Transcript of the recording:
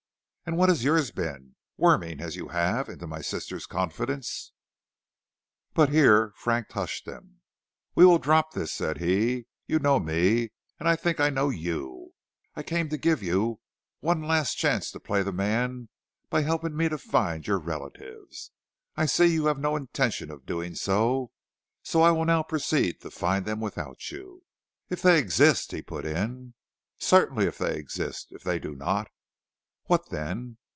"And what has yours been, worming, as you have, into my sister's confidence " But here Frank hushed him. "We will drop this," said he. "You know me, and I think I know you. I came to give you one last chance to play the man by helping me to find your relatives. I see you have no intention of doing so, so I will now proceed to find them without you." "If they exist," he put in. "Certainly, if they exist. If they do not " "What then?"